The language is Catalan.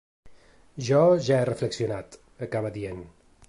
Jo ja he reflexionat, acaba dient.